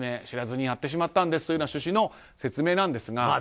知らずにやってしまったんですという趣旨の説明ですが。